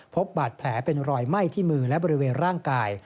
พบบาดแผลเป็นรอยไหม้ที่มือและบริเวณร่างกาย